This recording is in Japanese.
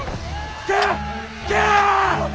引け！